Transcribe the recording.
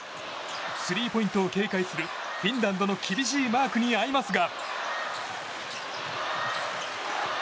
スリーポイントを警戒するフィンランドの厳しいマークにあいますが。